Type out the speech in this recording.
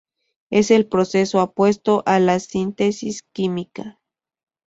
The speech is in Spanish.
Es el proceso opuesto a la síntesis química.